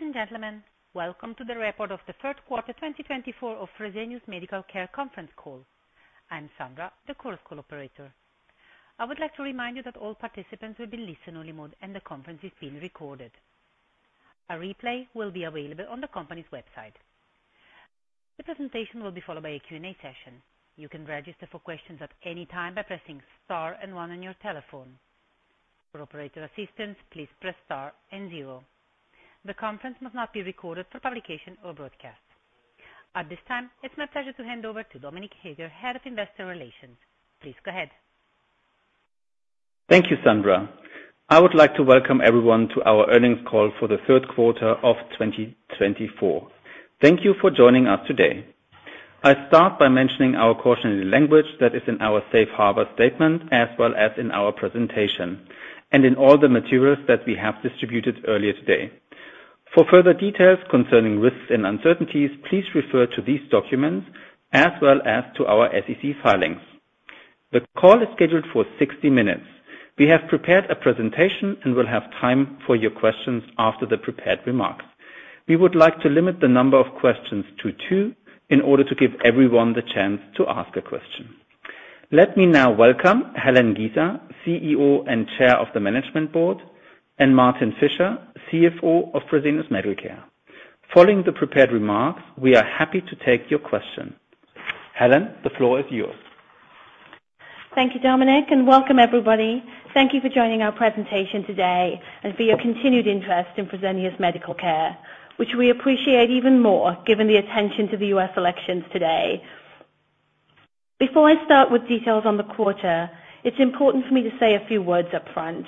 Ladies and gentlemen, welcome to the report of the third quarter 2024 of Fresenius Medical Care conference call. I'm Sandra, the Chorus Call operator. I would like to remind you that all participants will be listened to only, and the conference is being recorded. A replay will be available on the company's website. The presentation will be followed by a Q&A session. You can register for questions at any time by pressing star and one on your telephone. For operator assistance, please press star and zero. The conference must not be recorded for publication or broadcast. At this time, it's my pleasure to hand over to Dominik Heger, Head of Investor Relations. Please go ahead. Thank you, Sandra. I would like to welcome everyone to our earnings call for the third quarter of 2024. Thank you for joining us today. I start by mentioning our cautionary language that is in our Safe Harbor statement, as well as in our presentation and in all the materials that we have distributed earlier today. For further details concerning risks and uncertainties, please refer to these documents, as well as to our SEC filings. The call is scheduled for 60 minutes. We have prepared a presentation and will have time for your questions after the prepared remarks. We would like to limit the number of questions to two in order to give everyone the chance to ask a question. Let me now welcome Helen Giza, CEO and Chair of the Management Board, and Martin Fischer, CFO of Fresenius Medical Care. Following the prepared remarks, we are happy to take your questions. Helen, the floor is yours. Thank you, Dominik, and welcome, everybody. Thank you for joining our presentation today and for your continued interest in Fresenius Medical Care, which we appreciate even more given the attention to the U.S. elections today. Before I start with details on the quarter, it's important for me to say a few words upfront.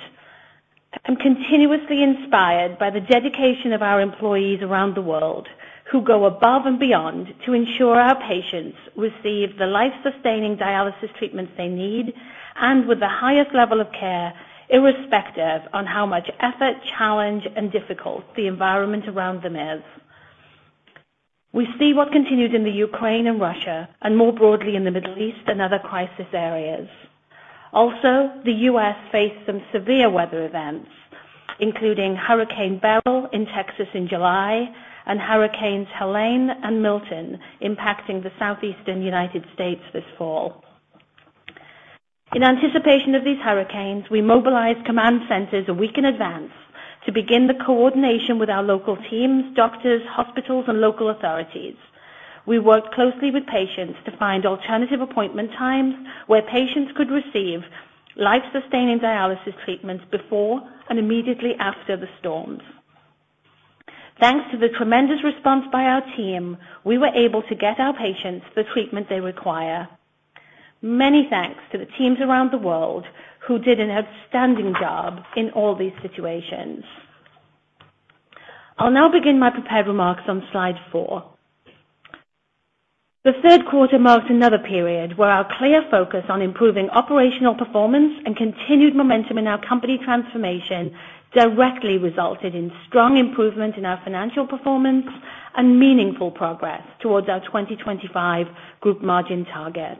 I'm continuously inspired by the dedication of our employees around the world who go above and beyond to ensure our patients receive the life-sustaining dialysis treatments they need and with the highest level of care, irrespective on how much effort, challenge, and difficult the environment around them is. We see what continues in the Ukraine and Russia, and more broadly in the Middle East and other crisis areas. Also, the U.S. faced some severe weather events, including Hurricane Beryl in Texas in July and Hurricanes Helene and Milton impacting the Southeastern United States this fall. In anticipation of these hurricanes, we mobilized command centers a week in advance to begin the coordination with our local teams, doctors, hospitals, and local authorities. We worked closely with patients to find alternative appointment times where patients could receive life-sustaining dialysis treatments before and immediately after the storms. Thanks to the tremendous response by our team, we were able to get our patients the treatment they require. Many thanks to the teams around the world who did an outstanding job in all these situations. I'll now begin my prepared remarks on slide four. The third quarter marked another period where our clear focus on improving operational performance and continued momentum in our company transformation directly resulted in strong improvement in our financial performance and meaningful progress towards our 2025 group margin target.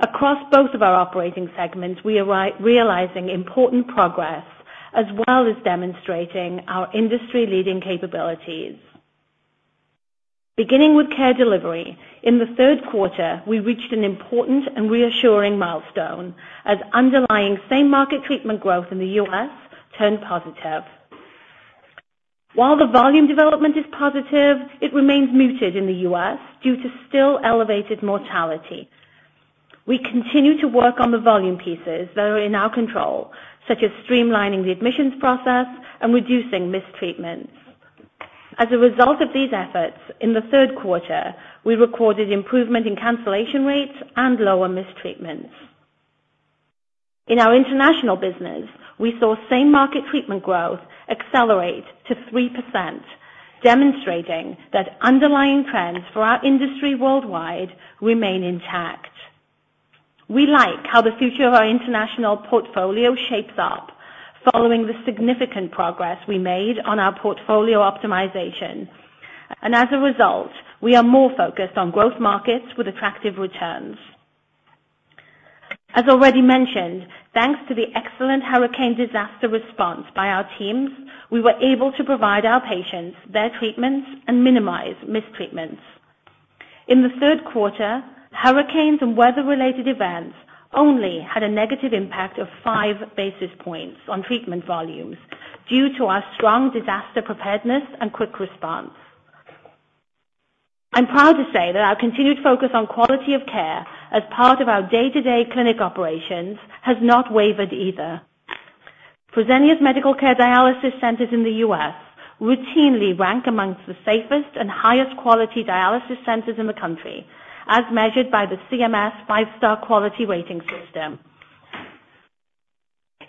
Across both of our operating segments, we are realizing important progress as well as demonstrating our industry-leading capabilities. Beginning with Care Delivery, in the third quarter, we reached an important and reassuring milestone as underlying same-market treatment growth in the U.S. turned positive. While the volume development is positive, it remains muted in the U.S. due to still elevated mortality. We continue to work on the volume pieces that are in our control, such as streamlining the admissions process and reducing mistreatments. As a result of these efforts, in the third quarter, we recorded improvement in cancellation rates and lower mistreatments. In our international business, we saw same-market treatment growth accelerate to 3%, demonstrating that underlying trends for our industry worldwide remain intact. We like how the future of our international portfolio shapes up following the significant progress we made on our portfolio optimization, and as a result, we are more focused on growth markets with attractive returns. As already mentioned, thanks to the excellent hurricane disaster response by our teams, we were able to provide our patients their treatments and minimize mistreatments. In the third quarter, hurricanes and weather-related events only had a negative impact of five basis points on treatment volumes due to our strong disaster preparedness and quick response. I'm proud to say that our continued focus on quality of care as part of our day-to-day clinic operations has not wavered either. Fresenius Medical Care Dialysis Centers in the U.S. routinely rank among the safest and highest-quality dialysis centers in the country, as measured by the CMS Five-Star Quality Rating System.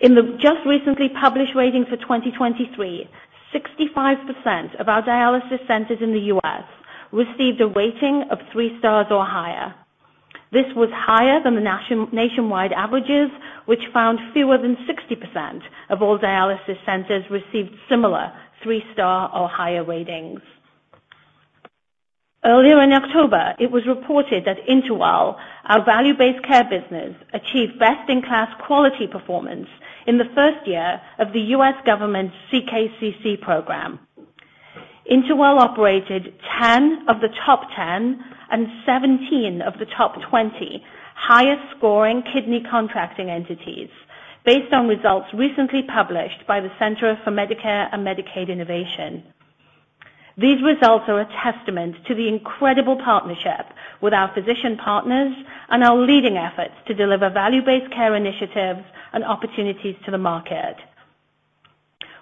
In the just-recently published rating for 2023, 65% of our dialysis centers in the U.S. received a rating of three stars or higher. This was higher than the nationwide averages, which found fewer than 60% of all dialysis centers received similar three-star or higher ratings. Earlier in October, it was reported that InterWell, our value-based care business, achieved best-in-class quality performance in the first year of the U.S. government's CKCC program. InterWell operated 10 of the top 10 and 17 of the top 20 highest-scoring kidney contracting entities, based on results recently published by the Center for Medicare and Medicaid Innovation. These results are a testament to the incredible partnership with our physician partners and our leading efforts to deliver value-based care initiatives and opportunities to the market.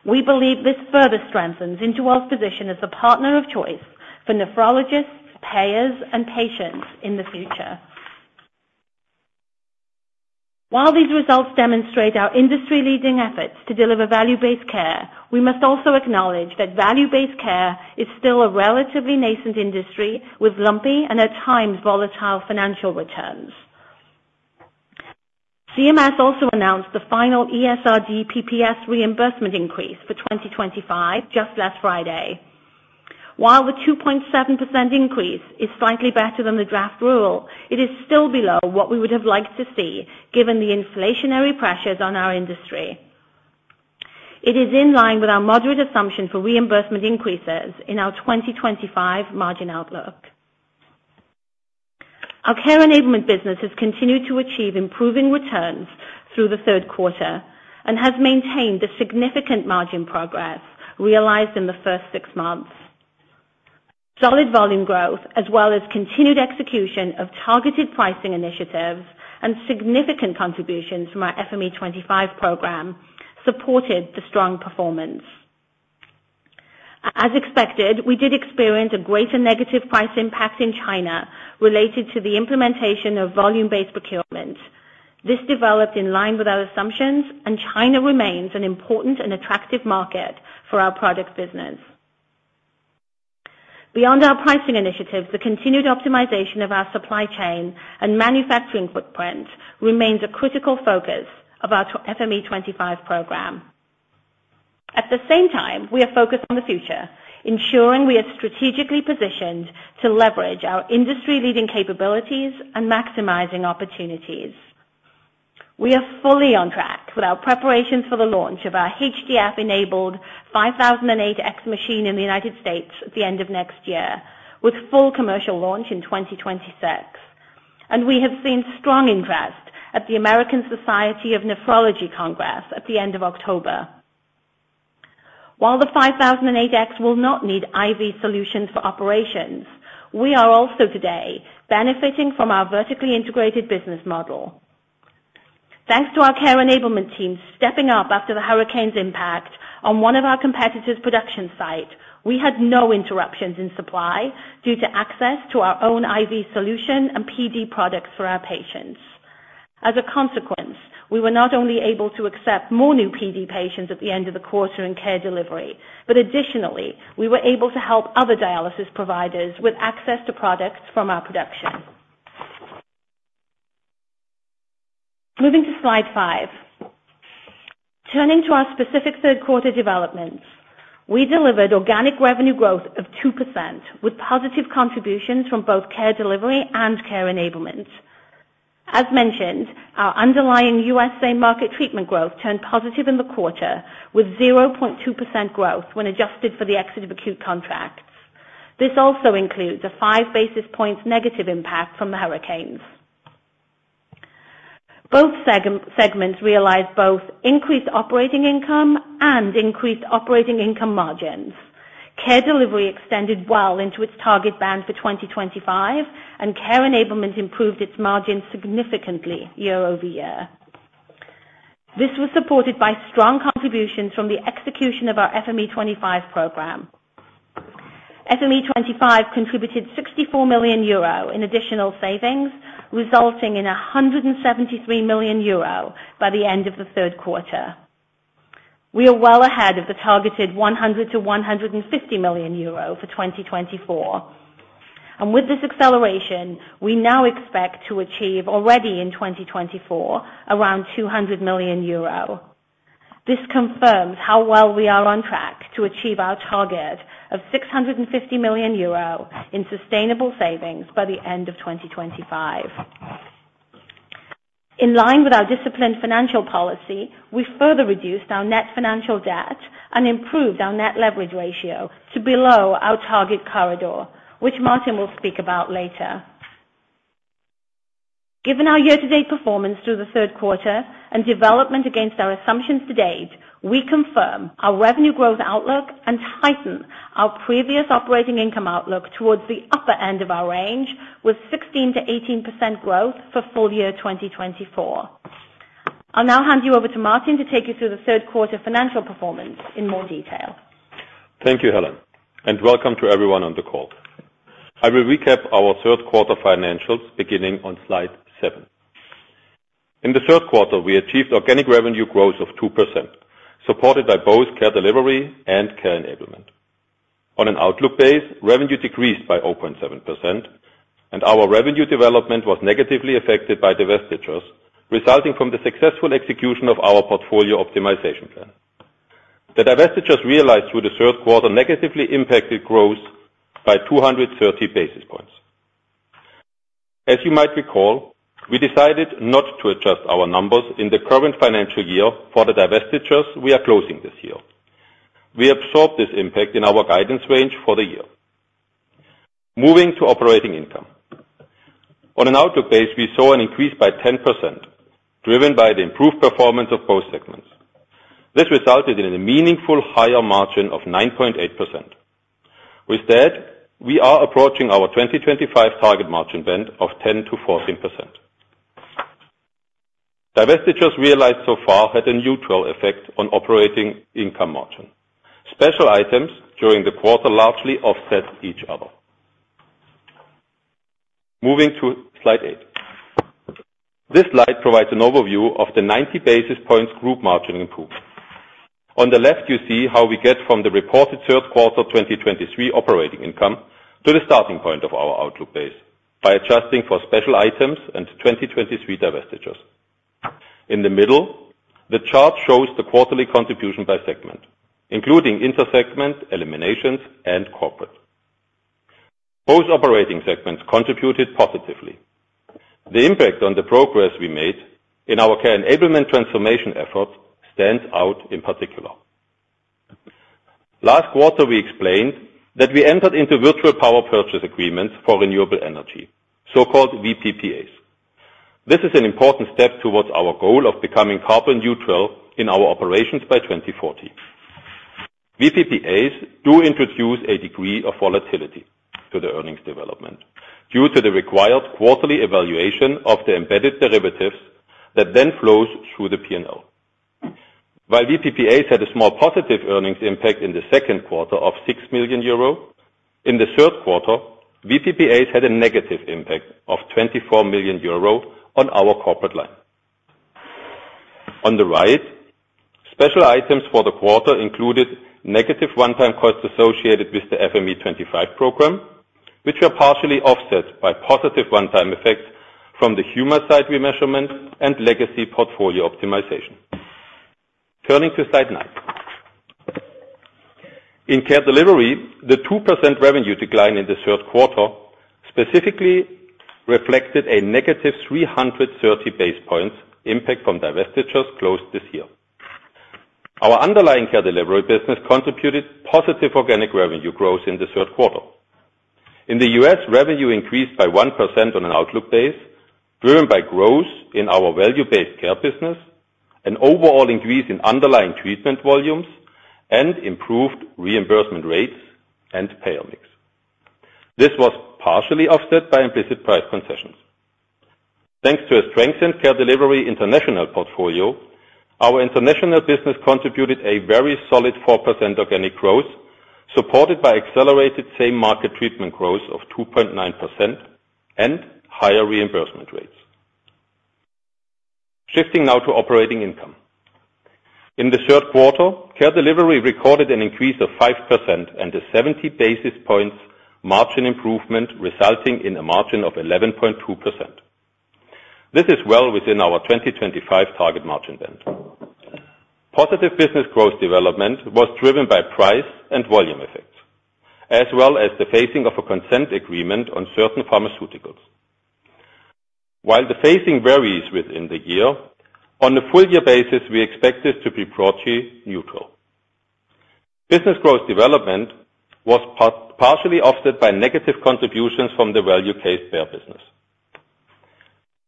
We believe this further strengthens InterWell's position as a partner of choice for nephrologists, payers, and patients in the future. While these results demonstrate our industry-leading efforts to deliver value-based care, we must also acknowledge that value-based care is still a relatively nascent industry with lumpy and at times volatile financial returns. CMS also announced the final ESRD PPS reimbursement increase for 2025 just last Friday. While the 2.7% increase is slightly better than the draft rule, it is still below what we would have liked to see given the inflationary pressures on our industry. It is in line with our moderate assumption for reimbursement increases in our 2025 margin outlook. Our Care Enablement business has continued to achieve improving returns through the third quarter and has maintained the significant margin progress realized in the first six months. Solid volume growth, as well as continued execution of targeted pricing initiatives and significant contributions from our FME25 program, supported the strong performance. As expected, we did experience a greater negative price impact in China related to the implementation of volume-based procurement. This developed in line with our assumptions, and China remains an important and attractive market for our product business. Beyond our pricing initiatives, the continued optimization of our supply chain and manufacturing footprint remains a critical focus of our FME25 program. At the same time, we are focused on the future, ensuring we are strategically positioned to leverage our industry-leading capabilities and maximizing opportunities. We are fully on track with our preparations for the launch of our HDF-enabled 5008X machine in the United States at the end of next year, with full commercial launch in 2026, and we have seen strong interest at the American Society of Nephrology Congress at the end of October. While the 5008X will not need IV solutions for operations, we are also today benefiting from our vertically integrated business model. Thanks to our Care Enablement team stepping up after the hurricane's impact on one of our competitors' production site, we had no interruptions in supply due to access to our own IV solution and PD products for our patients. As a consequence, we were not only able to accept more new PD patients at the end of the quarter in Care Delivery, but additionally, we were able to help other dialysis providers with access to products from our production. Moving to slide five, turning to our specific third-quarter developments, we delivered organic revenue growth of 2% with positive contributions from both Care Delivery and Care Enablement. As mentioned, our underlying U.S. same-market treatment growth turned positive in the quarter with 0.2% growth when adjusted for the exit of acute contracts. This also includes a five basis points negative impact from the hurricanes. Both segments realized both increased operating income and increased operating income margins. Care Delivery extended well into its target band for 2025, and Care Enablement improved its margins significantly year-over-year. This was supported by strong contributions from the execution of our FME25 program. FME25 contributed 64 million euro in additional savings, resulting in 173 million euro by the end of the third quarter. We are well ahead of the targeted 100 million-150 million euro for 2024, and with this acceleration, we now expect to achieve already in 2024 around 200 million euro. This confirms how well we are on track to achieve our target of 650 million euro in sustainable savings by the end of 2025. In line with our disciplined financial policy, we further reduced our net financial debt and improved our net leverage ratio to below our target corridor, which Martin will speak about later. Given our year-to-date performance through the third quarter and development against our assumptions to date, we confirm our revenue growth outlook and tighten our previous operating income outlook towards the upper end of our range with 16%-18% growth for full year 2024. I'll now hand you over to Martin to take you through the third-quarter financial performance in more detail. Thank you, Helen, and welcome to everyone on the call. I will recap our third-quarter financials beginning on slide seven. In the third quarter, we achieved organic revenue growth of 2%, supported by both Care Delivery and Care Enablement. On an outlook base, revenue decreased by 0.7%, and our revenue development was negatively affected by divestitures resulting from the successful execution of our portfolio optimization plan. The divestitures realized through the third quarter negatively impacted growth by 230 basis points. As you might recall, we decided not to adjust our numbers in the current financial year for the divestitures we are closing this year. We absorbed this impact in our guidance range for the year. Moving to operating income, on an outlook base, we saw an increase by 10% driven by the improved performance of both segments. This resulted in a meaningful higher margin of 9.8%. With that, we are approaching our 2025 target margin band of 10%-14%. Divestitures realized so far had a neutral effect on operating income margin. Special items during the quarter largely offset each other. Moving to slide eight, this slide provides an overview of the 90 basis points group margin improvement. On the left, you see how we get from the reported third quarter 2023 operating income to the starting point of our outlook base by adjusting for special items and 2023 divestitures. In the middle, the chart shows the quarterly contribution by segment, including inter-segment eliminations and corporate. Both operating segments contributed positively. The impact on the progress we made in our Care Enablement transformation effort stands out in particular. Last quarter, we explained that we entered into virtual power purchase agreements for renewable energy, so-called VPPAs. This is an important step towards our goal of becoming carbon neutral in our operations by 2040. VPPAs do introduce a degree of volatility to the earnings development due to the required quarterly evaluation of the embedded derivatives that then flows through the P&L. While VPPAs had a small positive earnings impact in the second quarter of 6 million euro, in the third quarter, VPPAs had a negative impact of 24 million euro on our corporate line. On the right, special items for the quarter included negative one-time costs associated with the FME25 program, which were partially offset by positive one-time effects from the Humacyte remeasurement and legacy portfolio optimization. Turning to slide nine, in Care Delivery, the 2% revenue decline in the third quarter specifically reflected a negative 330 basis points impact from divestitures closed this year. Our underlying Care Delivery business contributed positive organic revenue growth in the third quarter. In the U.S., revenue increased by 1% on an organic base driven by growth in our value-based care business, an overall increase in underlying treatment volumes, and improved reimbursement rates and payer mix. This was partially offset by implicit price concessions. Thanks to a strengthened Care Delivery International portfolio, our international business contributed a very solid 4% organic growth, supported by accelerated same-market treatment growth of 2.9% and higher reimbursement rates. Shifting now to operating income, in the third quarter, Care Delivery recorded an increase of 5% and a 70 basis points margin improvement, resulting in a margin of 11.2%. This is well within our 2025 target margin band. Positive business growth development was driven by price and volume effects, as well as the phasing of a consent agreement on certain pharmaceuticals. While the phasing varies within the year, on a full year basis, we expect this to be broadly neutral. Business growth development was partially offset by negative contributions from the value-based care business.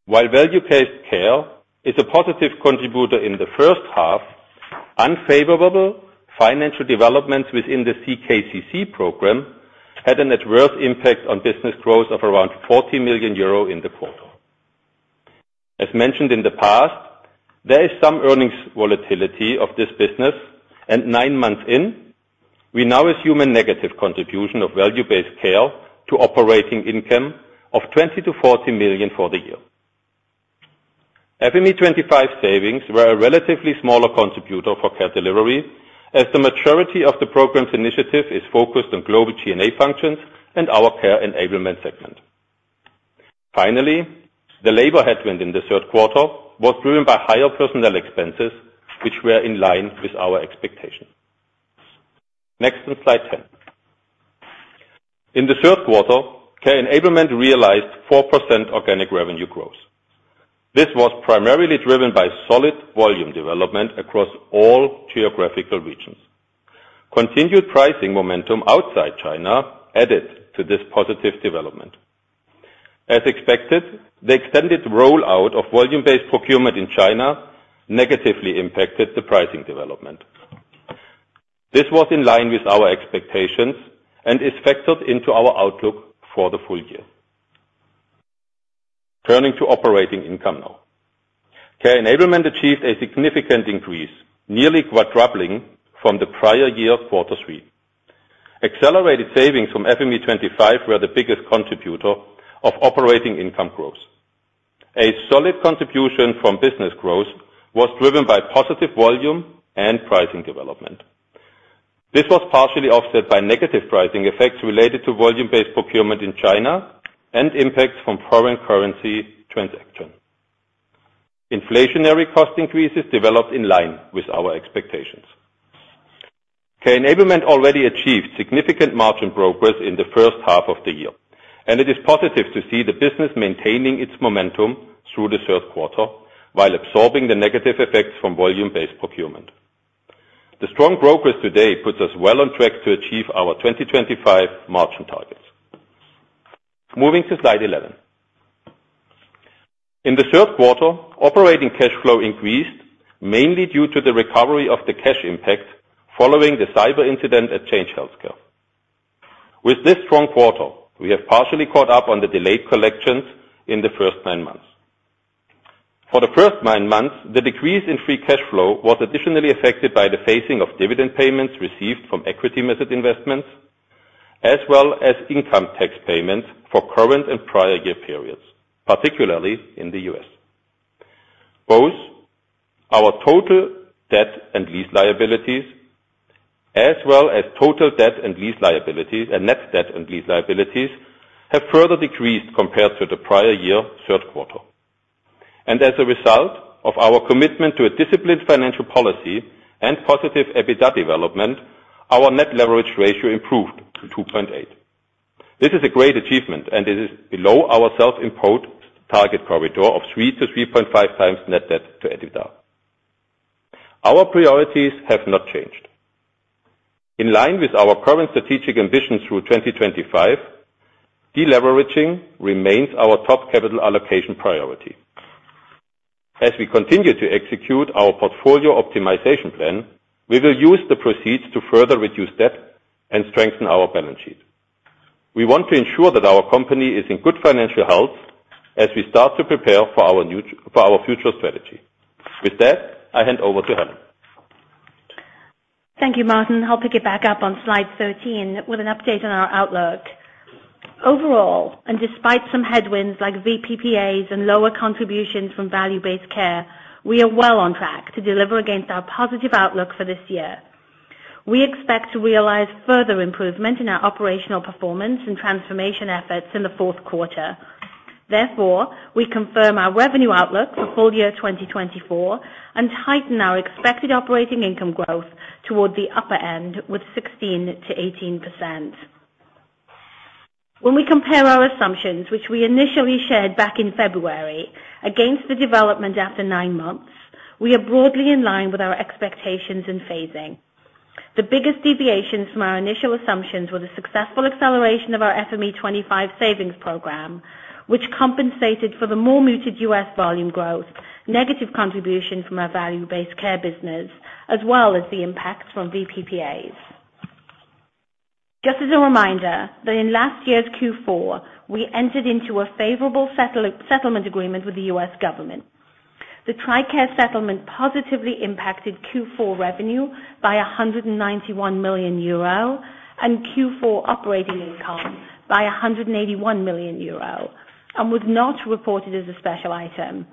While value-based care is a positive contributor in the first half, unfavorable financial developments within the CKCC program had an adverse impact on business growth of around 40 million euro in the quarter. As mentioned in the past, there is some earnings volatility of this business, and nine months in, we now assume a negative contribution of value-based care to operating income of 20 million-40 million for the year. FME25 savings were a relatively smaller contributor for Care Delivery, as the majority of the program's initiative is focused on global G&A functions and our Care Enablement segment. Finally, the labor headwind in the third quarter was driven by higher personnel expenses, which were in line with our expectation. Next, on slide 10, in the third quarter, Care Enablement realized 4% organic revenue growth. This was primarily driven by solid volume development across all geographical regions. Continued pricing momentum outside China added to this positive development. As expected, the extended rollout of volume-based procurement in China negatively impacted the pricing development. This was in line with our expectations and is factored into our outlook for the full year. Turning to operating income now, Care Enablement achieved a significant increase, nearly quadrupling from the prior year quarter three. Accelerated savings from FME25 were the biggest contributor of operating income growth. A solid contribution from business growth was driven by positive volume and pricing development. This was partially offset by negative pricing effects related to volume-based procurement in China and impacts from foreign currency transaction. Inflationary cost increases developed in line with our expectations. Care Enablement already achieved significant margin progress in the first half of the year, and it is positive to see the business maintaining its momentum through the third quarter while absorbing the negative effects from volume-based procurement. The strong progress today puts us well on track to achieve our 2025 margin targets. Moving to slide 11, in the third quarter, operating cash flow increased mainly due to the recovery of the cash impact following the cyber incident at Change Healthcare. With this strong quarter, we have partially caught up on the delayed collections in the first nine months. For the first nine months, the decrease in free cash flow was additionally affected by the phasing of dividend payments received from equity-mixed investments, as well as income tax payments for current and prior year periods, particularly in the U.S. Both our total debt and lease liabilities, as well as total debt and lease liabilities, and net debt and lease liabilities, have further decreased compared to the prior year third quarter. And as a result of our commitment to a disciplined financial policy and positive EBITDA development, our net leverage ratio improved to 2.8. This is a great achievement, and it is below our self-imposed target corridor of 3-3.5x net debt to EBITDA. Our priorities have not changed. In line with our current strategic ambitions through 2025, deleveraging remains our top capital allocation priority. As we continue to execute our portfolio optimization plan, we will use the proceeds to further reduce debt and strengthen our balance sheet. We want to ensure that our company is in good financial health as we start to prepare for our future strategy. With that, I hand over to Helen. Thank you, Martin. I'll pick it back up on slide 13 with an update on our outlook. Overall, and despite some headwinds like VPPAs and lower contributions from value-based care, we are well on track to deliver against our positive outlook for this year. We expect to realize further improvement in our operational performance and transformation efforts in the fourth quarter. Therefore, we confirm our revenue outlook for full year 2024 and tighten our expected operating income growth toward the upper end with 16%-18%. When we compare our assumptions, which we initially shared back in February, against the development after nine months, we are broadly in line with our expectations and phasing. The biggest deviations from our initial assumptions were the successful acceleration of our FME25 savings program, which compensated for the more muted U.S. volume growth, negative contribution from our value-based care business, as well as the impact from VPPAs. Just as a reminder that in last year's Q4, we entered into a favorable settlement agreement with the U.S. government. The TRICARE settlement positively impacted Q4 revenue by 191 million euro and Q4 operating income by 181 million euro and was not reported as a special item.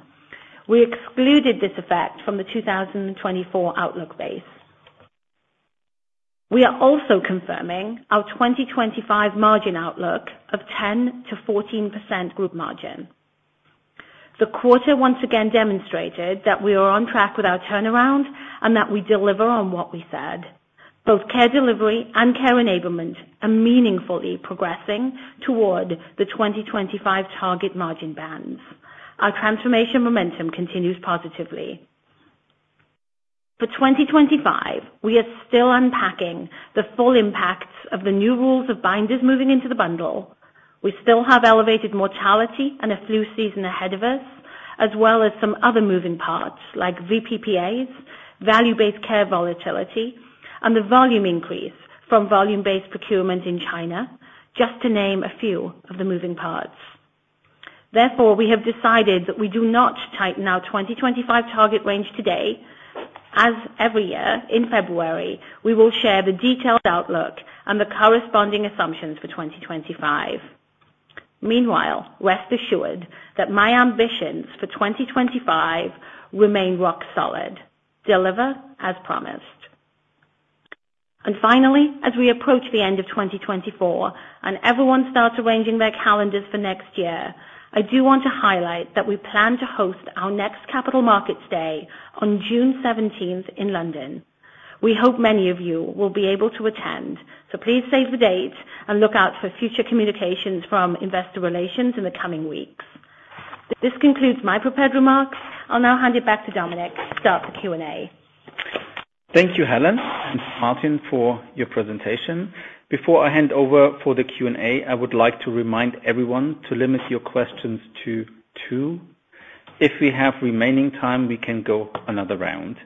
We excluded this effect from the 2024 outlook base. We are also confirming our 2025 margin outlook of 10%-14% group margin. The quarter once again demonstrated that we are on track with our turnaround and that we deliver on what we said. Both Care Delivery and Care Enablement are meaningfully progressing toward the 2025 target margin bands. Our transformation momentum continues positively. For 2025, we are still unpacking the full impacts of the new rules of binders moving into the bundle. We still have elevated mortality and a flu season ahead of us, as well as some other moving parts like VPPAs, value-based care volatility, and the volume increase from volume-based procurement in China, just to name a few of the moving parts. Therefore, we have decided that we do not tighten our 2025 target range today. As every year in February, we will share the detailed outlook and the corresponding assumptions for 2025. Meanwhile, rest assured that my ambitions for 2025 remain rock solid. Deliver as promised. And finally, as we approach the end of 2024 and everyone starts arranging their calendars for next year, I do want to highlight that we plan to host our next Capital Markets Day on June 17th in London. We hope many of you will be able to attend, so please save the date and look out for future communications from investor relations in the coming weeks. This concludes my prepared remarks. I'll now hand it back to Dominik to start the Q&A. Thank you, Helen and Martin for your presentation. Before I hand over for the Q&A, I would like to remind everyone to limit your questions to two. If we have remaining time, we can go another round.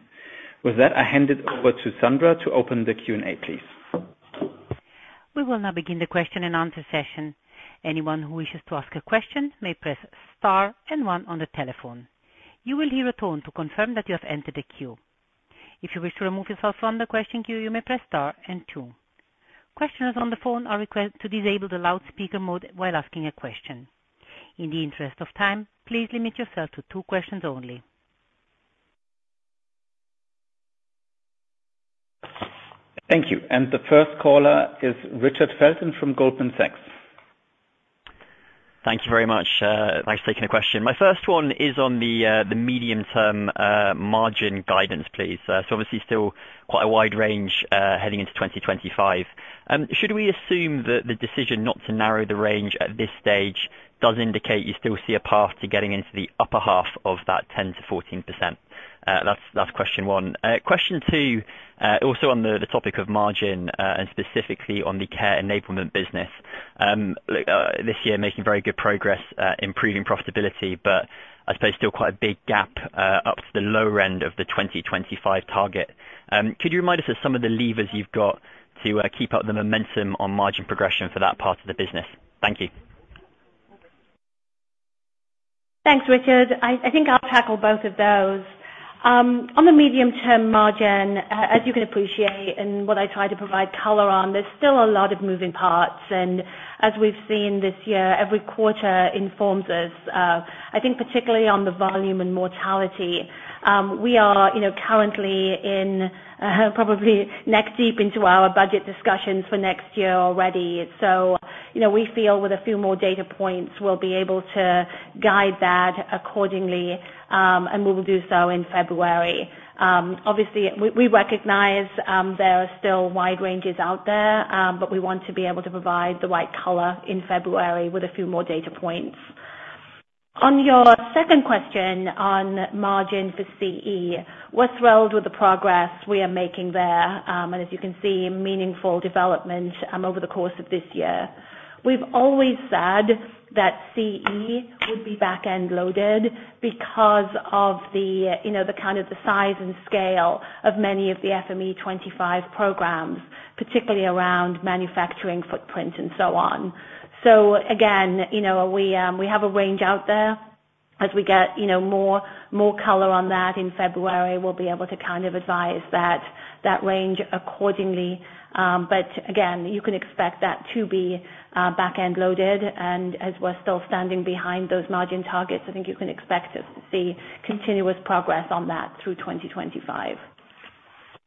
With that, I hand it over to Sandra to open the Q&A, please. We will now begin the question-and-answer session. Anyone who wishes to ask a question may press star and one on the telephone. You will hear a tone to confirm that you have entered the queue. If you wish to remove yourself from the question queue, you may press star and two. Questioners on the phone are requested to disable the loudspeaker mode while asking a question. In the interest of time, please limit yourself to two questions only. Thank you. And the first caller is Richard Felton from Goldman Sachs. Thank you very much. Thanks for taking the question. My first one is on the medium-term margin guidance, please. So obviously, still quite a wide range heading into 2025. Should we assume that the decision not to narrow the range at this stage does indicate you still see a path to getting into the upper half of that 10%-14%? That's question one. Question two, also on the topic of margin and specifically on the Care Enablement business. This year, making very good progress, improving profitability, but I suppose still quite a big gap up to the lower end of the 2025 target. Could you remind us of some of the levers you've got to keep up the momentum on margin progression for that part of the business? Thank you. Thanks, Richard. I think I'll tackle both of those. On the medium-term margin, as you can appreciate and what I tried to provide color on, there's still a lot of moving parts, and as we've seen this year, every quarter informs us, I think particularly on the volume and mortality. We are currently in probably neck-deep into our budget discussions for next year already, so we feel with a few more data points, we'll be able to guide that accordingly, and we will do so in February. Obviously, we recognize there are still wide ranges out there, but we want to be able to provide the right color in February with a few more data points. On your second question on margin for CE, we're thrilled with the progress we are making there, and as you can see, meaningful development over the course of this year. We've always said that CE would be back-end loaded because of the kind of the size and scale of many of the FME25 programs, particularly around manufacturing footprint and so on, so again, we have a range out there. As we get more color on that in February, we'll be able to kind of advise that range accordingly, but again, you can expect that to be back-end loaded, and as we're still standing behind those margin targets, I think you can expect us to see continuous progress on that through 2025.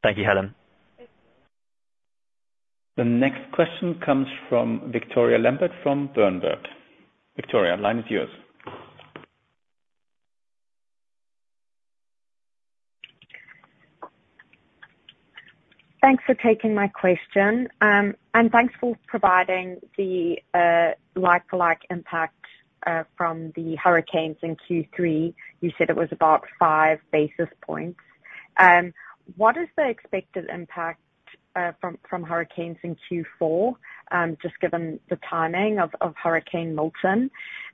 Thank you, Helen. Thank you. The next question comes from Victoria Lambert from Berenberg. Victoria, the line is yours. Thanks for taking my question. And thanks for providing the like-for-like impact from the hurricanes in Q3. You said it was about five basis points. What is the expected impact from hurricanes in Q4, just given the timing of Hurricane Milton?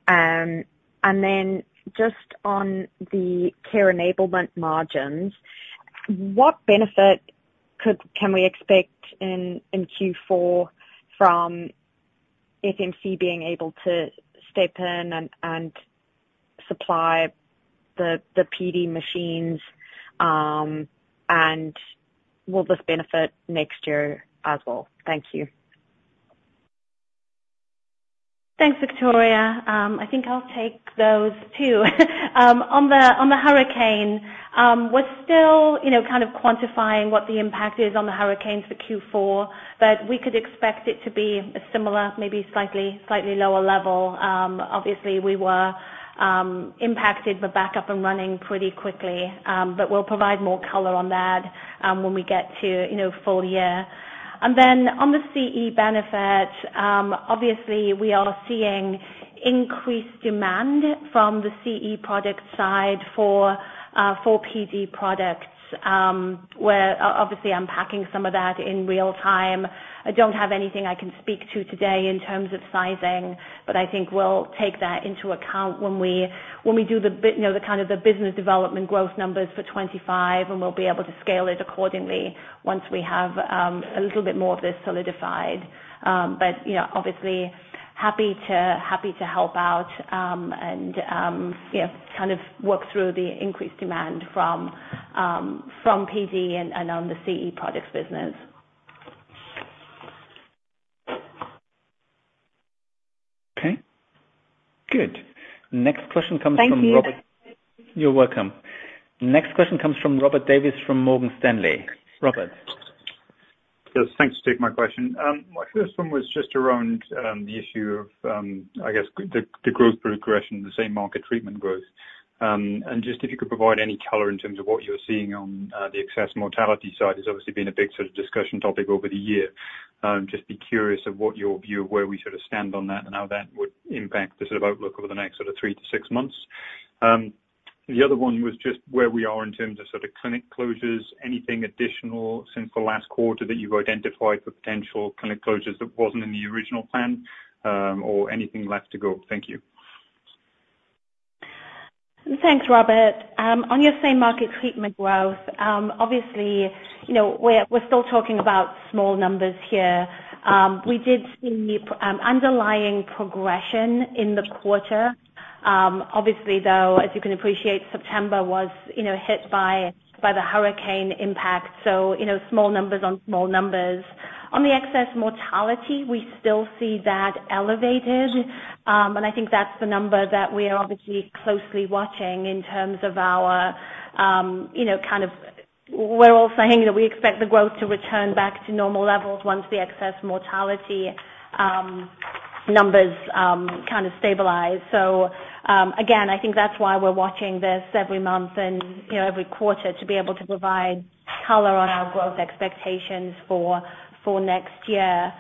And then just on the Care Enablement margins, what benefit can we expect in Q4 from FMC being able to step in and supply the PD machines? And will this benefit next year as well? Thank you. Thanks, Victoria. I think I'll take those two. On the hurricane, we're still kind of quantifying what the impact is on the hurricanes for Q4, but we could expect it to be a similar, maybe slightly lower level. Obviously, we were impacted but back up and running pretty quickly, but we'll provide more color on that when we get to full year, and then on the CE benefits, obviously, we are seeing increased demand from the CE product side for PD products, where obviously unpacking some of that in real time. I don't have anything I can speak to today in terms of sizing, but I think we'll take that into account when we do the kind of the business development growth numbers for 2025, and we'll be able to scale it accordingly once we have a little bit more of this solidified. But obviously, happy to help out and kind of work through the increased demand from PD and on the CE products business. Okay. Good. Next question comes from Robert. Thank you. You're welcome. Next question comes from Robert Davies from Morgan Stanley. Robert. Thanks for taking my question. My first one was just around the issue of, I guess, the growth progression, the same-market treatment growth. And just if you could provide any color in terms of what you're seeing on the excess mortality side has obviously been a big sort of discussion topic over the year. Just be curious of what your view of where we sort of stand on that and how that would impact the sort of outlook over the next sort of three to six months. The other one was just where we are in terms of sort of clinic closures. Anything additional since the last quarter that you've identified for potential clinic closures that wasn't in the original plan or anything left to go? Thank you. Thanks, Robert. On your same-market treatment growth, obviously, we're still talking about small numbers here. We did see underlying progression in the quarter. Obviously, though, as you can appreciate, September was hit by the hurricane impact. So small numbers on small numbers. On the excess mortality, we still see that elevated. And I think that's the number that we are obviously closely watching in terms of our kind of we're all saying that we expect the growth to return back to normal levels once the excess mortality numbers kind of stabilize. So again, I think that's why we're watching this every month and every quarter to be able to provide color on our growth expectations for next year.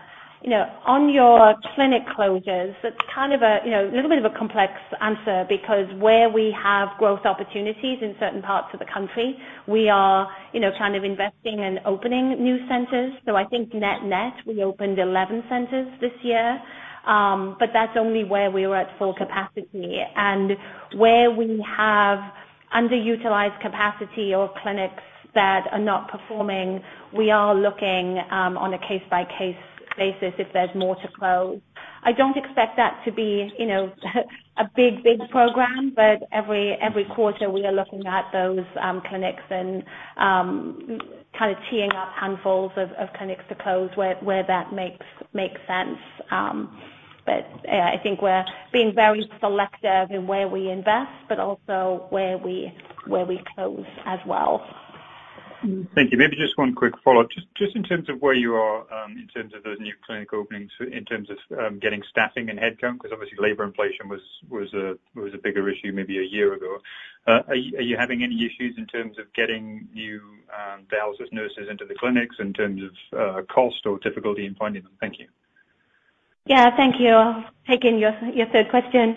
On your clinic closures, that's kind of a little bit of a complex answer because where we have growth opportunities in certain parts of the country, we are kind of investing and opening new centers. So I think net net, we opened 11 centers this year. But that's only where we were at full capacity. And where we have underutilized capacity or clinics that are not performing, we are looking on a case-by-case basis if there's more to close. I don't expect that to be a big, big program, but every quarter we are looking at those clinics and kind of teeing up handfuls of clinics to close where that makes sense. But I think we're being very selective in where we invest, but also where we close as well. Thank you. Maybe just one quick follow-up. Just in terms of where you are in terms of those new clinic openings, in terms of getting staffing and headcount, because obviously labor inflation was a bigger issue maybe a year ago. Are you having any issues in terms of getting new dialysis nurses into the clinics in terms of cost or difficulty in finding them? Thank you. Yeah, thank you. Taking your third question.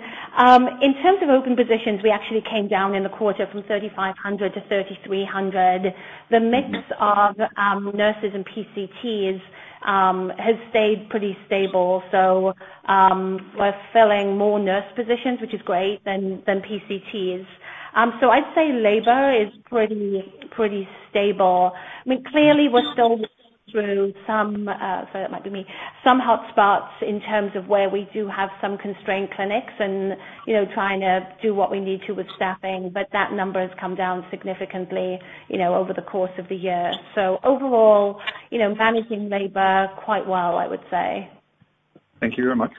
In terms of open positions, we actually came down in the quarter from 3,500-3,300. The mix of nurses and PCTs has stayed pretty stable. So we're filling more nurse positions, which is greater than PCTs. So I'd say labor is pretty stable. I mean, clearly, we're still going through some - sorry, that might be me - some hotspots in terms of where we do have some constrained clinics and trying to do what we need to with staffing. But that number has come down significantly over the course of the year. So overall, managing labor quite well, I would say. Thank you very much.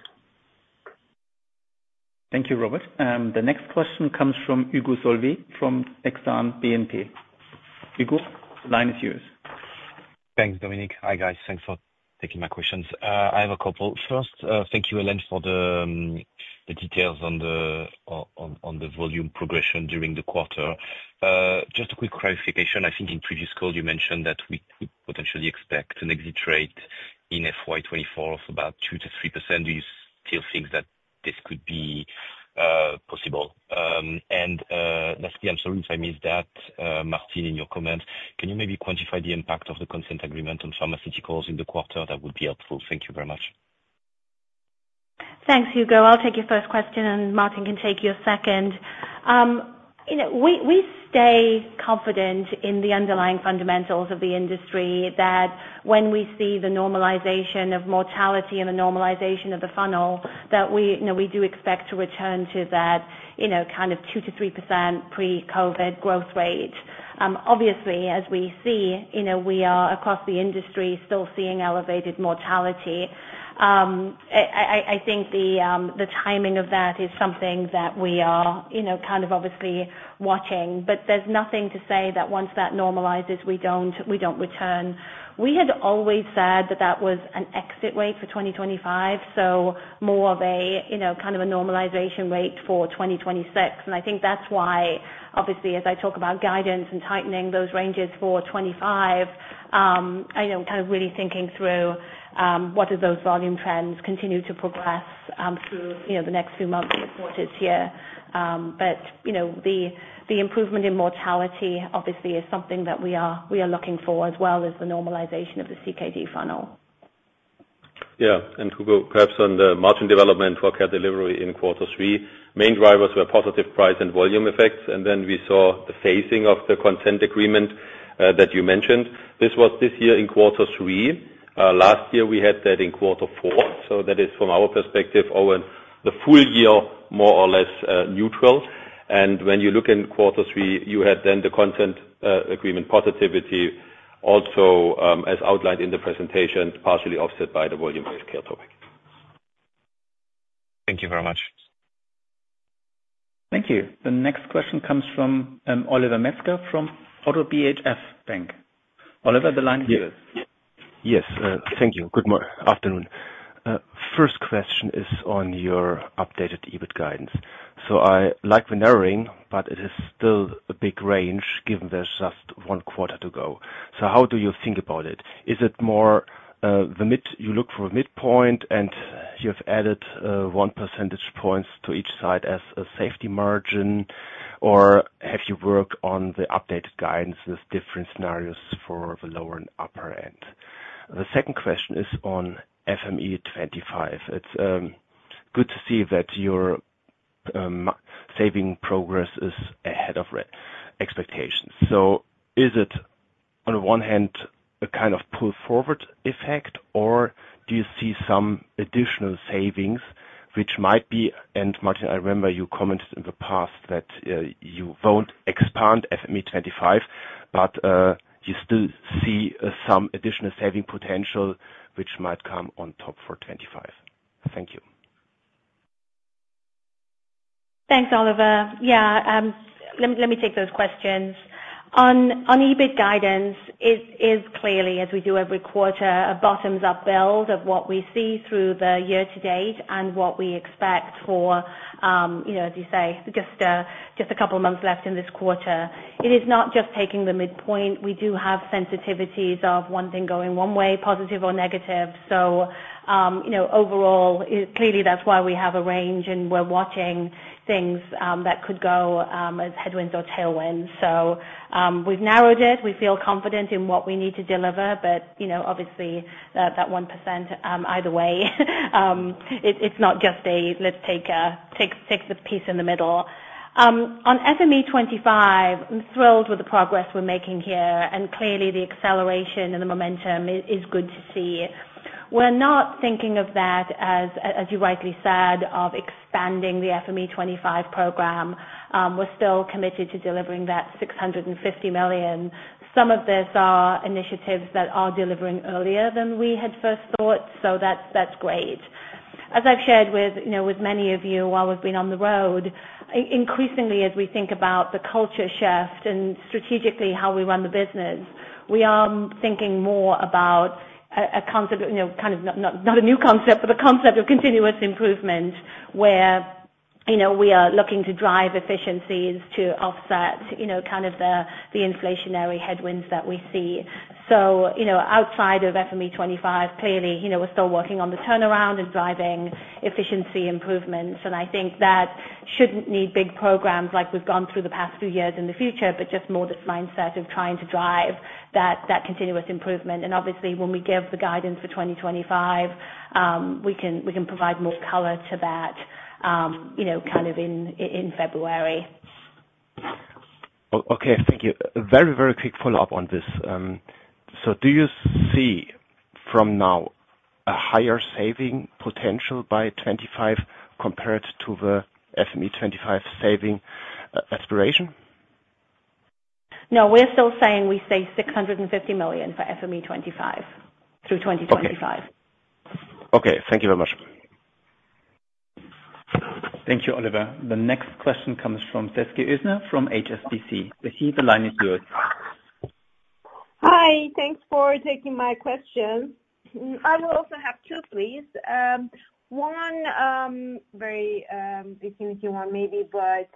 Thank you, Robert. The next question comes from Hugo Solvet from Exane BNP. Hugo, the line is yours. Thanks, Dominik. Hi, guys. Thanks for taking my questions. I have a couple. First, thank you, Helen, for the details on the volume progression during the quarter. Just a quick clarification. I think in previous call, you mentioned that we potentially expect an exit rate in FY 2024 of about 2%-3%. Do you still think that this could be possible? And lastly, I'm sorry if I missed that, Martin, in your comments, can you maybe quantify the impact of the consent agreement on pharmaceuticals in the quarter? That would be helpful. Thank you very much. Thanks, Hugo. I'll take your first question, and Martin can take your second. We stay confident in the underlying fundamentals of the industry that when we see the normalization of mortality and the normalization of the funnel, that we do expect to return to that kind of 2%-3% pre-COVID growth rate. Obviously, as we see, we are across the industry still seeing elevated mortality. I think the timing of that is something that we are kind of obviously watching. But there's nothing to say that once that normalizes, we don't return. We had always said that that was an exit rate for 2025, so more of a kind of a normalization rate for 2026. And I think that's why, obviously, as I talk about guidance and tightening those ranges for 2025, kind of really thinking through what do those volume trends continue to progress through the next few months in the quarter this year. But the improvement in mortality, obviously, is something that we are looking for as well as the normalization of the CKD funnel. Yeah. And Hugo, perhaps on the margin development for Care Delivery in quarter three, main drivers were positive price and volume effects. And then we saw the phasing of the Consent agreement that you mentioned. This was this year in quarter three. Last year, we had that in quarter four. So that is, from our perspective, over the full year, more or less neutral. And when you look in quarter three, you had then the consent agreement positivity also as outlined in the presentation, partially offset by the value-based care topic. Thank you very much. Thank you. The next question comes from Oliver Metzger from ODDO BHF. Oliver, the line is yours. Yes. Thank you. Good afternoon. First question is on your updated EBIT guidance. So I like the narrowing, but it is still a big range given there's just one quarter to go. So how do you think about it? Is it more the mid you look for a midpoint and you've added one percentage points to each side as a safety margin, or have you worked on the updated guidance with different scenarios for the lower and upper end? The second question is on FME25. It's good to see that your saving progress is ahead of expectations. So is it, on the one hand, a kind of pull-forward effect, or do you see some additional savings, which might be—and Martin, I remember you commented in the past that you won't expand FME25, but you still see some additional saving potential, which might come on top for 2025? Thank you. Thanks, Oliver. Yeah. Let me take those questions. On EBIT guidance, it is clearly, as we do every quarter, a bottoms-up build of what we see through the year-to-date and what we expect for, as you say, just a couple of months left in this quarter. It is not just taking the midpoint. We do have sensitivities of one thing going one way, positive or negative. So overall, clearly, that's why we have a range, and we're watching things that could go headwinds or tailwinds. So we've narrowed it. We feel confident in what we need to deliver. But obviously, that 1%, either way, it's not just a, "Let's take the midpoint." On FME25, I'm thrilled with the progress we're making here, and clearly, the acceleration and the momentum is good to see. We're not thinking of that, as you rightly said, of expanding the FME25 program. We're still committed to delivering that 650 million. Some of these are initiatives that are delivering earlier than we had first thought. So that's great. As I've shared with many of you while we've been on the road, increasingly, as we think about the culture shift and strategically how we run the business, we are thinking more about a concept of kind of not a new concept, but a concept of continuous improvement, where we are looking to drive efficiencies to offset kind of the inflationary headwinds that we see. So outside of FME25, clearly, we're still working on the turnaround and driving efficiency improvements, and I think that shouldn't need big programs like we've gone through the past few years in the future, but just more this mindset of trying to drive that continuous improvement. Obviously, when we give the guidance for 2025, we can provide more color to that kind of in February. Okay. Thank you. Very, very quick follow-up on this. So do you see from now a higher saving potential by 2025 compared to the FME25 saving aspiration? No, we're still saying we say 650 million for FME25 through 2025. Okay. Thank you very much. Thank you, Oliver. The next question comes from Sezgi Özener from HSBC. Sezgi, the line is yours. Hi. Thanks for taking my question. I will also have two, please. One, if you want, maybe, but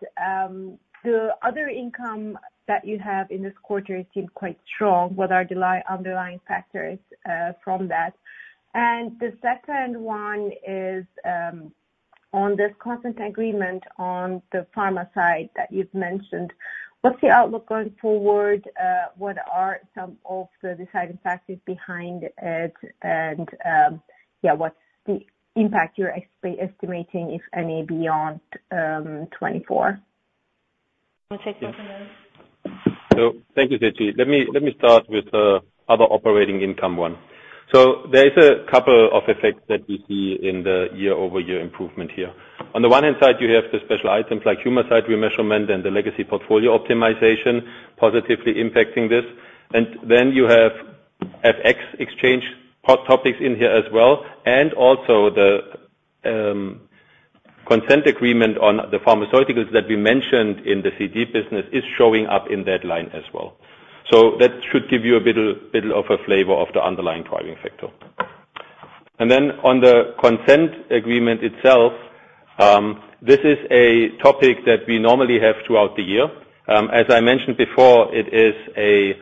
the other income that you have in this quarter seemed quite strong. What are the underlying factors from that? And the second one is on this consent agreement on the pharma side that you've mentioned. What's the outlook going forward? What are some of the deciding factors behind it? And yeah, what's the impact you're estimating, if any, beyond 2024? So thank you, Sezgi. Let me start with the other operating income one. So there is a couple of effects that we see in the year-over-year improvement here. On the one hand side, you have the special items like Humacyte remeasurement and the legacy portfolio optimization positively impacting this. And then you have FX exchange topics in here as well. And also the consent agreement on the pharmaceuticals that we mentioned in the CD business is showing up in that line as well. So that should give you a bit of a flavor of the underlying driving factor. And then on the consent agreement itself, this is a topic that we normally have throughout the year. As I mentioned before, it is a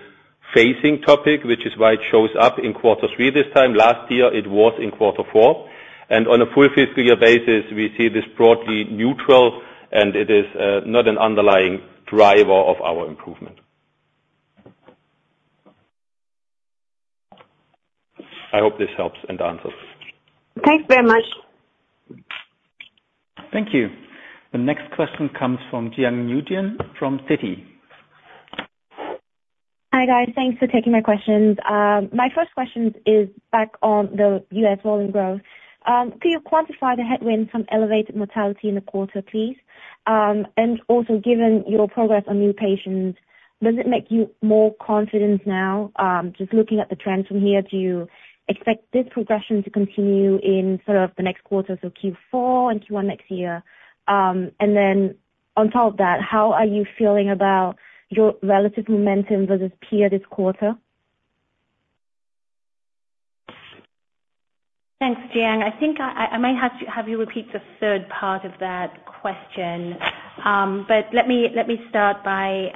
phasing topic, which is why it shows up in quarter three this time. Last year, it was in quarter four. On a full fiscal year basis, we see this broadly neutral, and it is not an underlying driver of our improvement. I hope this helps and answers. Thanks very much. Thank you. The next question comes from Giang Nguyen from Citi. Hi, guys. Thanks for taking my questions. My first question is back on the U.S. volume growth. Could you quantify the headwinds from elevated mortality in the quarter, please? And also, given your progress on new patients, does it make you more confident now? Just looking at the trends from here, do you expect this progression to continue in sort of the next quarter, so Q4 and Q1 next year? And then on top of that, how are you feeling about your relative momentum versus peer this quarter? Thanks, Giang. I think I might have you repeat the third part of that question. But let me start by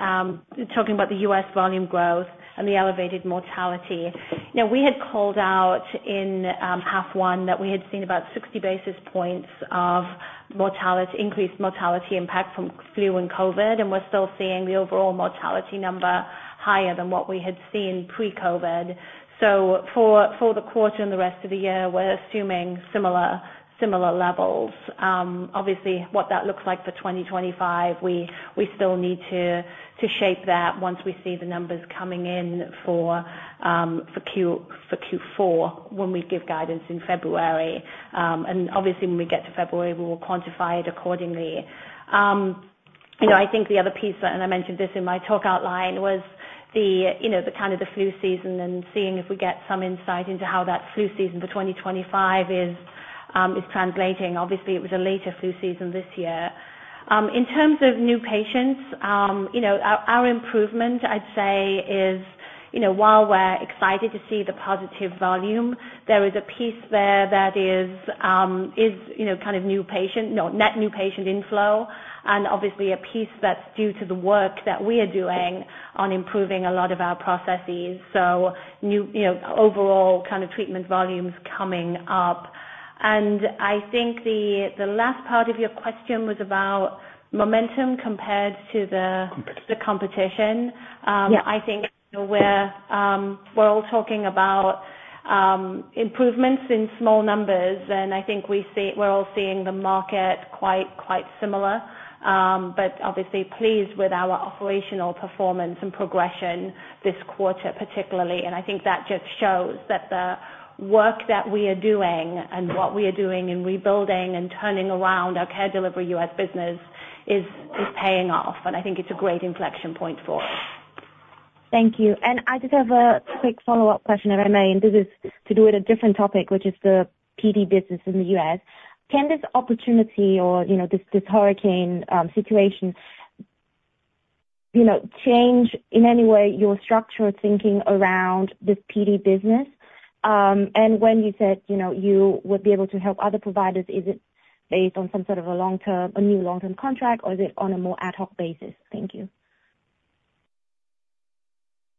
talking about the U.S. volume growth and the elevated mortality. We had called out in half one that we had seen about 60 basis points of increased mortality impact from flu and COVID. We're still seeing the overall mortality number higher than what we had seen pre-COVID. For the quarter and the rest of the year, we're assuming similar levels. Obviously, what that looks like for 2025, we still need to shape that once we see the numbers coming in for Q4 when we give guidance in February. Obviously, when we get to February, we will quantify it accordingly. I think the other piece, and I mentioned this in my talk outline, was the kind of flu season and seeing if we get some insight into how that flu season for 2025 is translating. Obviously, it was a later flu season this year. In terms of new patients, our improvement, I'd say, is while we're excited to see the positive volume, there is a piece there that is kind of new patient, no, net new patient inflow, and obviously a piece that's due to the work that we are doing on improving a lot of our processes. So overall kind of treatment volumes coming up. And I think the last part of your question was about momentum compared to the competition. I think we're all talking about improvements in small numbers. And I think we're all seeing the market quite similar, but obviously pleased with our operational performance and progression this quarter particularly. And I think that just shows that the work that we are doing and what we are doing in rebuilding and turning around our Care Delivery U.S. business is paying off. And I think it's a great inflection point for us. Thank you. And I just have a quick follow-up question, if I may. And this is to do with a different topic, which is the PD business in the U.S. Can this opportunity or this hurricane situation change in any way your structure of thinking around this PD business? And when you said you would be able to help other providers, is it based on some sort of a new long-term contract, or is it on a more ad hoc basis? Thank you.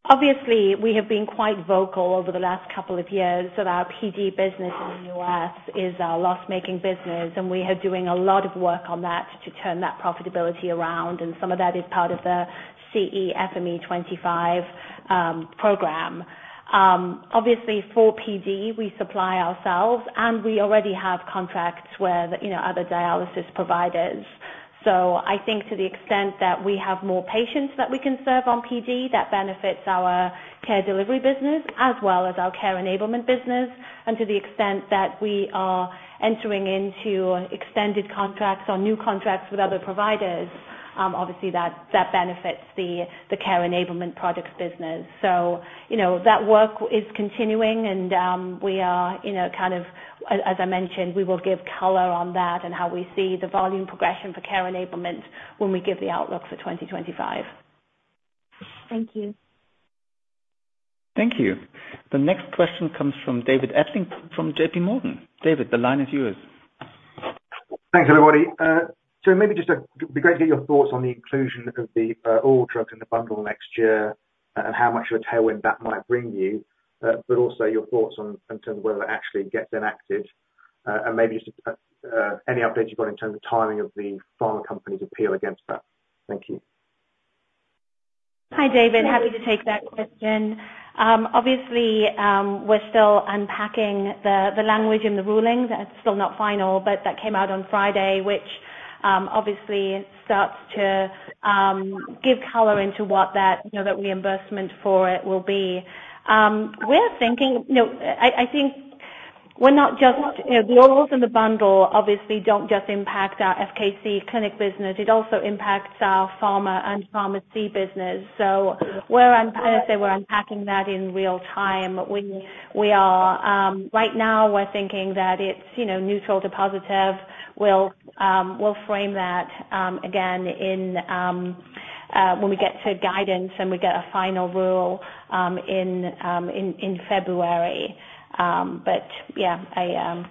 Obviously, we have been quite vocal over the last couple of years that our PD business in the U.S. is our loss-making business. And we are doing a lot of work on that to turn that profitability around. And some of that is part of the CE FME25 program. Obviously, for PD, we supply ourselves, and we already have contracts with other dialysis providers. So I think to the extent that we have more patients that we can serve on PD, that benefits our Care Delivery business as well as our Care Enablement business. And to the extent that we are entering into extended contracts or new contracts with other providers, obviously that benefits the Care Enablement products business. So that work is continuing. And we are kind of, as I mentioned, we will give color on that and how we see the volume progression for Care Enablement when we give the outlook for 2025. Thank you. Thank you. The next question comes from David Adlington from JPMorgan. David, the line is yours. Thanks, everybody. So maybe just it'd be great to get your thoughts on the inclusion of all drugs in the bundle next year and how much of a tailwind that might bring you, but also your thoughts in terms of whether it actually gets enacted and maybe just any updates you've got in terms of timing of the pharma companies' appeal against that? Thank you. Hi, David. Happy to take that question. Obviously, we're still unpacking the language in the rulings. It's still not final, but that came out on Friday, which obviously starts to give color into what that reimbursement for it will be. We're thinking the rules in the bundle obviously don't just impact our FKC clinic business. It also impacts our pharma and pharmacy business. So I'd say we're unpacking that in real time. Right now, we're thinking that it's neutral to positive. We'll frame that again when we get to guidance and we get a final rule in February. But yeah, a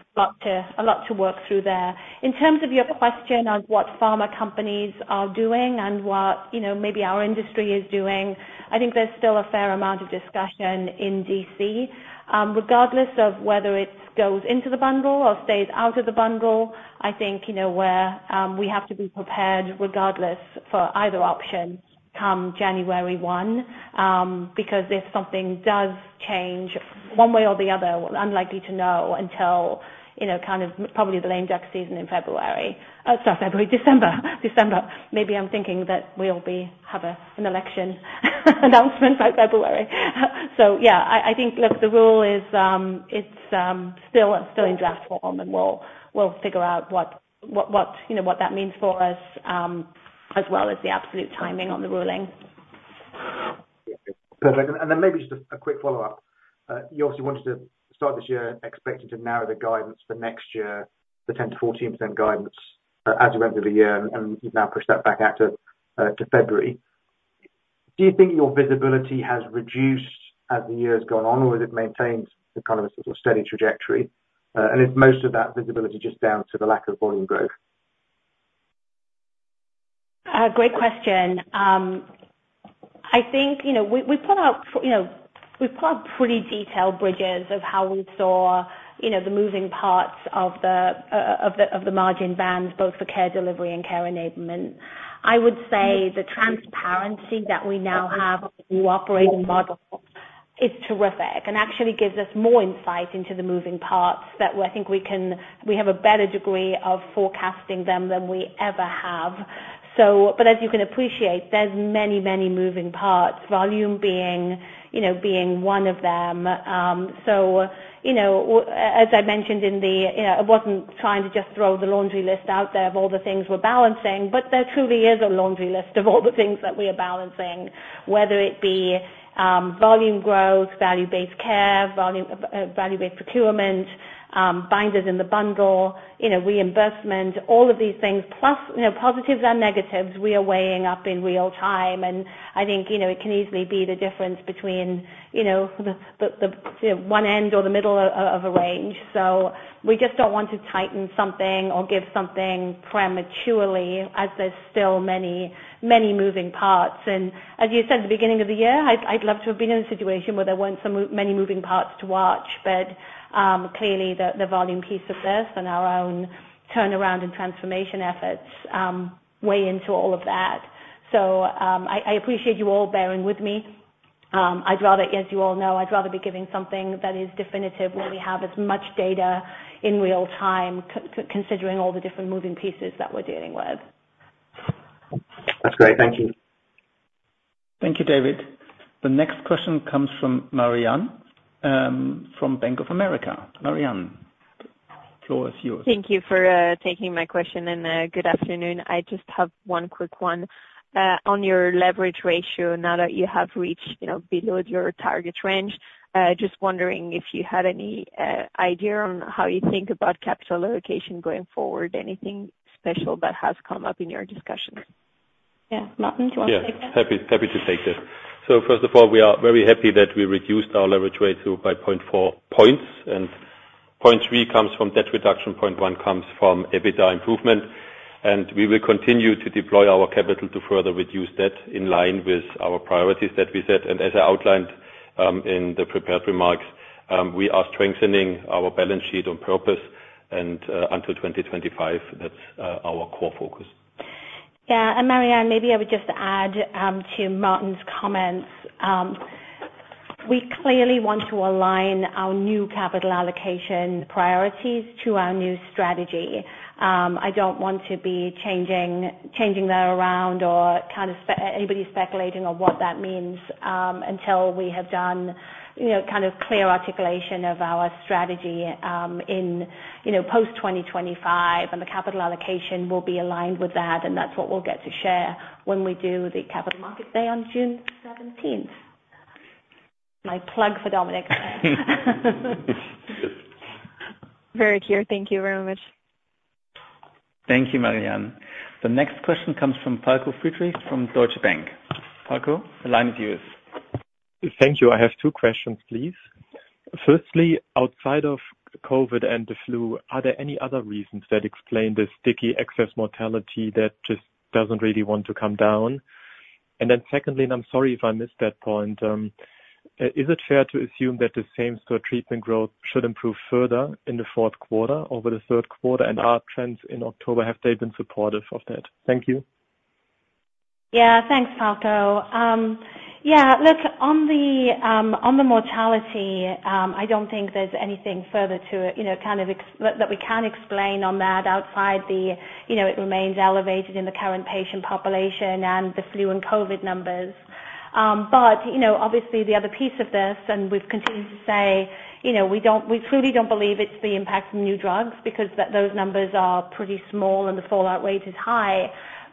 lot to work through there. In terms of your question on what pharma companies are doing and what maybe our industry is doing, I think there's still a fair amount of discussion in DC. Regardless of whether it goes into the bundle or stays out of the bundle, I think we have to be prepared regardless for either option come January 1 because if something does change one way or the other, we're unlikely to know until kind of probably the lame duck season in February. Sorry, February, December. December. Maybe I'm thinking that we'll have an election announcement by February. So yeah, I think look, the rule is still in draft form, and we'll figure out what that means for us as well as the absolute timing on the ruling. Perfect, and then maybe just a quick follow-up. You obviously wanted to start this year expecting to narrow the guidance for next year, the 10%-14% guidance as you went through the year, and you've now pushed that back out to February. Do you think your visibility has reduced as the year has gone on, or has it maintained kind of a steady trajectory? And is most of that visibility just down to the lack of volume growth? Great question. I think we put out pretty detailed bridges of how we saw the moving parts of the margin bands, both for Care Delivery and Care Enablement. I would say the transparency that we now have on the new operating model is terrific and actually gives us more insight into the moving parts that I think we have a better degree of forecasting them than we ever have. But as you can appreciate, there's many, many moving parts, volume being one of them. So as I mentioned, I wasn't trying to just throw the laundry list out there of all the things we're balancing, but there truly is a laundry list of all the things that we are balancing, whether it be volume growth, value-based care, value-based procurement, binders in the bundle, reimbursement, all of these things. Plus positives and negatives, we are weighing up in real time. And I think it can easily be the difference between the one end or the middle of a range. So we just don't want to tighten something or give something prematurely as there's still many moving parts. And as you said at the beginning of the year, I'd love to have been in a situation where there weren't so many moving parts to watch. But clearly, the volume piece of this and our own turnaround and transformation efforts weigh into all of that. So I appreciate you all bearing with me. As you all know, I'd rather be giving something that is definitive when we have as much data in real time, considering all the different moving pieces that we're dealing with. That's great. Thank you. Thank you, David. The next question comes from Marianne from Bank of America. Marianne, the floor is yours. Thank you for taking my question. And good afternoon. I just have one quick one. On your leverage ratio, now that you have reached below your target range, just wondering if you had any idea on how you think about capital allocation going forward, anything special that has come up in your discussion? Yeah, Martin, do you want to take that? Yes. Happy to take this. So first of all, we are very happy that we reduced our leverage ratio by 0.4 points. And 0.3 comes from debt reduction, 0.1 comes from EBITDA improvement. And we will continue to deploy our capital to further reduce debt in line with our priorities that we set. And as I outlined in the prepared remarks, we are strengthening our balance sheet on purpose. And until 2025, that's our core focus. Yeah. And Marianne, maybe I would just add to Martin's comments. We clearly want to align our new capital allocation priorities to our new strategy. I don't want to be changing that around or kind of anybody speculating on what that means until we have done kind of clear articulation of our strategy in post-2025. And the capital allocation will be aligned with that. And that's what we'll get to share when we do the Capital Markets Day on June 17th. My plug for Dominik. Very clear. Thank you very much. Thank you, Marianne. The next question comes from Falko Friedrichs from Deutsche Bank. Falko, the line is yours. Thank you. I have two questions, please. Firstly, outside of COVID and the flu, are there any other reasons that explain the sticky excess mortality that just doesn't really want to come down? And then secondly, and I'm sorry if I missed that point, is it fair to assume that the same sort of treatment growth should improve further in the fourth quarter over the third quarter? And are trends in October, have they been supportive of that? Thank you. Yeah. Thanks, Falko. Yeah. Look, on the mortality, I don't think there's anything further to kind of that we can explain on that outside that it remains elevated in the current patient population and the flu and COVID numbers. But obviously, the other piece of this, and we've continued to say we truly don't believe it's the impact of new drugs because those numbers are pretty small and the fallout rate is high.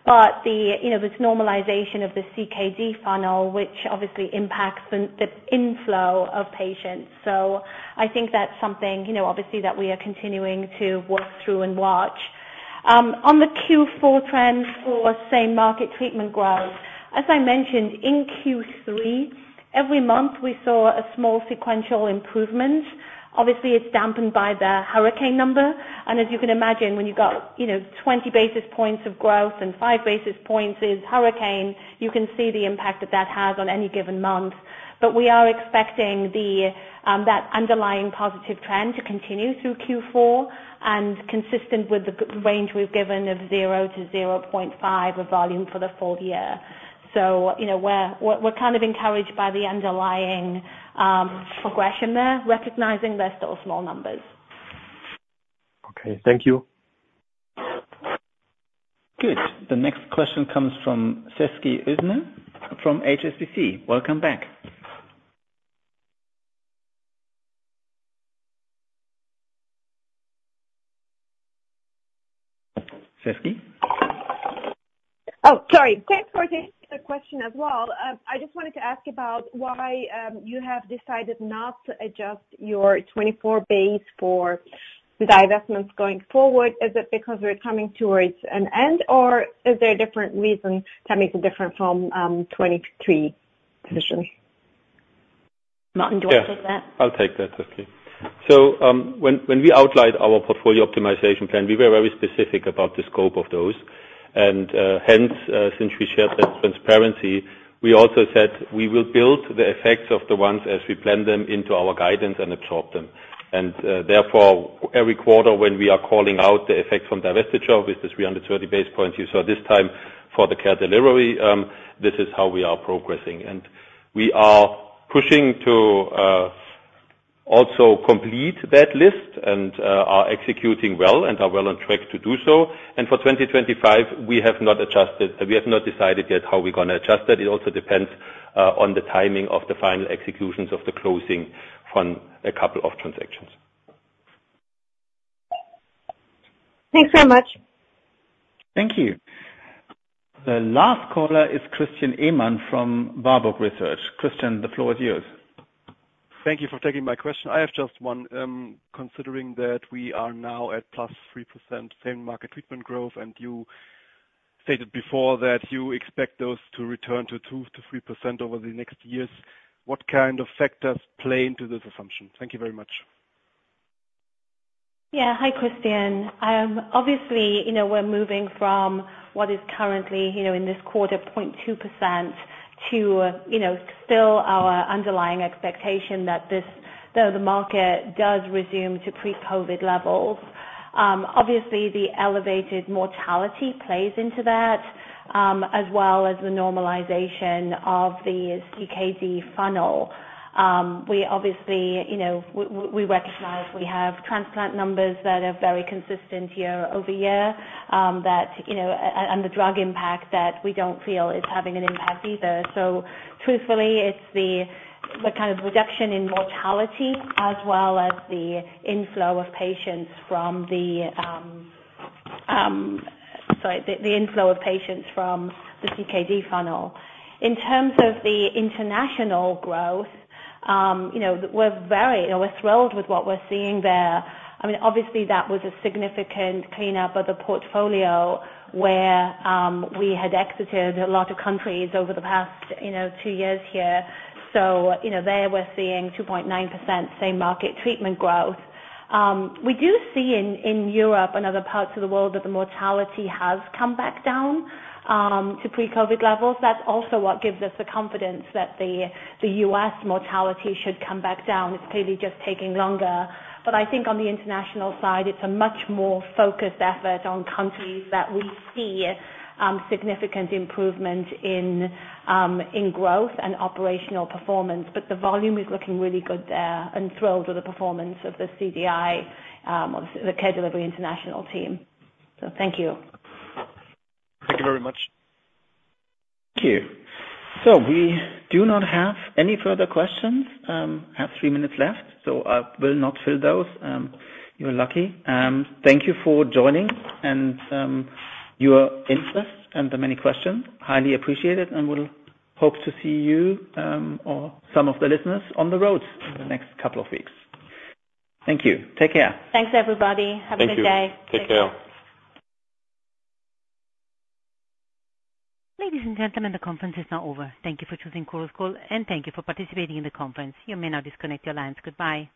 But there's normalization of the CKD funnel, which obviously impacts the inflow of patients. So I think that's something obviously that we are continuing to work through and watch. On the Q4 trend for same market treatment growth, as I mentioned, in Q3, every month we saw a small sequential improvement. Obviously, it's dampened by the hurricane number. As you can imagine, when you've got 20 basis points of growth and 5 basis points is hurricane, you can see the impact that that has on any given month. But we are expecting that underlying positive trend to continue through Q4, and consistent with the range we've given of 0-0.5 of volume for the full year. So we're kind of encouraged by the underlying progression there, recognizing they're still small numbers. Okay. Thank you. Good. The next question comes from Sezgi Özener from HSBC. Welcome back. Sezgi? Oh, sorry. Thanks for taking the question as well. I just wanted to ask about why you have decided not to adjust your 24 base for the divestments going forward. Is it because we're coming towards an end, or is there a different reason that makes it different from 2023 position? Martin, do you want to take that? Yes. I'll take that, Sezgi. So when we outlined our portfolio optimization plan, we were very specific about the scope of those. And hence, since we shared that transparency, we also said we will build the effects of the ones as we plan them into our guidance and absorb them. And therefore, every quarter when we are calling out the effects from divestiture with the 330 basis points you saw this time for the Care Delivery, this is how we are progressing. And we are pushing to also complete that list and are executing well and are well on track to do so. And for 2025, we have not adjusted. We have not decided yet how we're going to adjust that. It also depends on the timing of the final executions of the closing from a couple of transactions. Thanks very much. Thank you. The last caller is Christian Ehmann from Warburg Research. Christian, the floor is yours. Thank you for taking my question. I have just one. Considering that we are now at +3% same-market treatment growth, and you stated before that you expect those to return to 2%-3% over the next years, what kind of factors play into this assumption? Thank you very much. Yeah. Hi, Christian. Obviously, we're moving from what is currently in this quarter 0.2% to still our underlying expectation that the market does resume to pre-COVID levels. Obviously, the elevated mortality plays into that as well as the normalization of the CKD funnel. We obviously recognize we have transplant numbers that are very consistent year-over-year and the drug impact that we don't feel is having an impact either. So truthfully, it's the kind of reduction in mortality as well as the inflow of patients from the CKD funnel. In terms of the international growth, we're very thrilled with what we're seeing there. I mean, obviously, that was a significant cleanup of the portfolio where we had exited a lot of countries over the past two years here. So there we're seeing 2.9% same market treatment growth. We do see in Europe and other parts of the world that the mortality has come back down to pre-COVID levels. That's also what gives us the confidence that the U.S. mortality should come back down. It's clearly just taking longer. But I think on the international side, it's a much more focused effort on countries that we see significant improvement in growth and operational performance. But the volume is looking really good there and thrilled with the performance of the CDI, the Care Delivery International team. So thank you. Thank you very much. Thank you. So we do not have any further questions. I have three minutes left, so I will not fill those. You're lucky. Thank you for joining and your interest and the many questions. Highly appreciate it. And we'll hope to see you or some of the listeners on the roads in the next couple of weeks. Thank you. Take care. Thanks, everybody. Have a good day. Thank you. Take care. Ladies and gentlemen, the conference is now over. Thank you for choosing Chorus Call, and thank you for participating in the conference. You may now disconnect your lines. Goodbye.